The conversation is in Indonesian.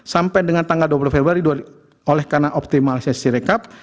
sampai dengan tanggal dua puluh februari oleh karena optimalisasi rekap